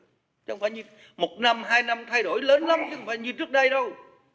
chứ không phải như một năm hai năm thay đổi lớn lắm chứ không phải như trước đây đâu